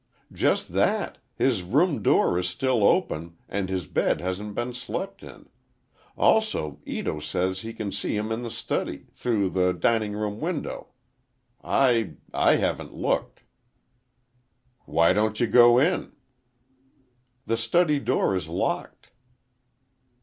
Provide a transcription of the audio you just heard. "Just that. His room door is still open, and his bed hasn't been slept in. Also, Ito says he can see him in the study, through the dining room window. I—I haven't looked—" "Why don't you go in?" "The study door is locked."